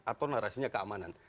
atau narasinya keamanan